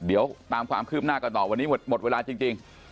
เดี๋ยวตามความคืบหน้ากันต่อวันนี้หมดเวลาจริง